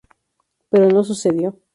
Pero no sucedió.